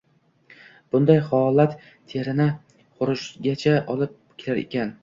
Bunday holat terini xurujigacha olib kelar ekan.